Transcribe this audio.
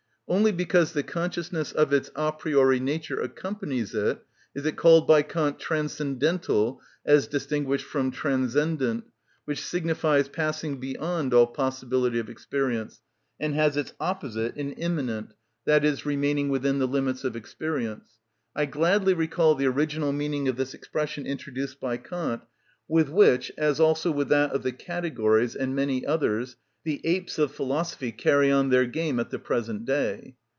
Only because the consciousness of its a priori nature accompanies it is it called by Kant transcendental as distinguished from transcendent, which signifies "passing beyond all possibility of experience," and has its opposite in immanent, i.e., remaining within the limits of experience. I gladly recall the original meaning of this expression introduced by Kant, with which, as also with that of the Categories, and many others, the apes of philosophy carry on their game at the present day.